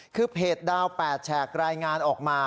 คือเพจดาว๘แฉกรายงานออกมา